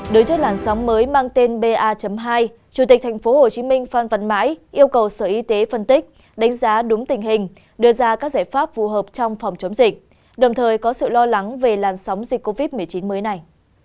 đối với làn sóng mới mang tên ba hai chủ tịch tp hcm phan văn mãi yêu cầu sở y tế phân tích đánh giá đúng tình hình đưa ra các giải pháp phù hợp trong phòng chống dịch đồng thời có sự lo lắng về làn sóng dịch covid một mươi chín mới này